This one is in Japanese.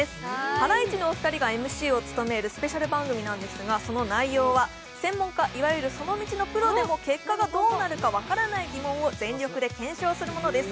ハライチのお二人がＭＣを務めるスペシャル番組なんですが、その内容は専門家、いわゆるその道のプロでも結果がどうなるか分からない疑問を全力で検証するものです。